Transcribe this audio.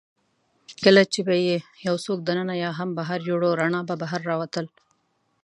کله چي به يې یوڅوک دننه یا هم بهر یووړ، رڼا به بهر راوتل.